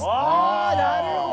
あなるほど。